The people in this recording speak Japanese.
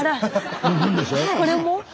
これも？